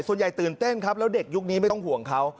ตื่นเต้นครับแล้วเด็กยุคนี้ไม่ต้องห่วงเขา